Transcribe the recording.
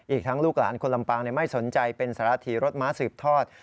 อีกทั้งลูกหลานคนลำปางไม่สนใจเป็นสารธีรถม้าสืบทอด